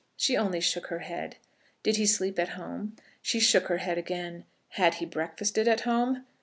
She only shook her head. Did he sleep at home? She shook her head again. Had he breakfasted at home?